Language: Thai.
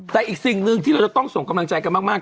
แต่อีกสิ่งหนึ่งที่เราจะต้องส่งกำลังใจกันมาก